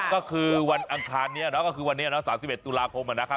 ก็คือวันอังคารนี้ก็คือวันนี้๓๑ตุลาคมนะครับ